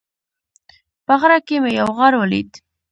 په غره کې مې یو غار ولید